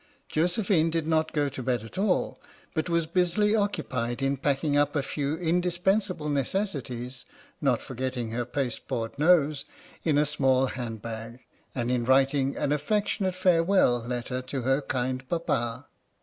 Josephine did not go to bed at all, but was busily occupied in packing up a few indis pensable necessaries (not forgetting her paste board nose) in a small handbag, and in writing an affec 70 H.M.S. "PINAFORE" tionate farewell letter to her kind Papa.